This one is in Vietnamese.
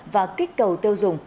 và kích cầu tiêu dùng